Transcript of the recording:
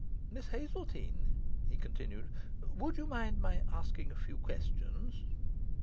'Miss Hazeltine,' he continued, 'would you mind me asking a few questions?